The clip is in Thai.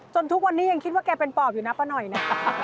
ทุกวันนี้ยังคิดว่าแกเป็นปอบอยู่นะป้าหน่อยนะ